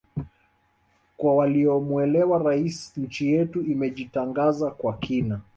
Kwa waliomuelewa Rais nchi yetu imejitangaza kwa kina